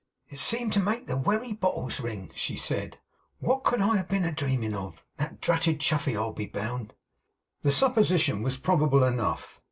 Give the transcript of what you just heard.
'It seemed to make the wery bottles ring,' she said. 'What could I have been a dreaming of? That dratted Chuffey, I'll be bound.' The supposition was probable enough.